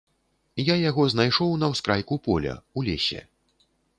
Я яго знайшоў на ўскрайку поля, у лесе.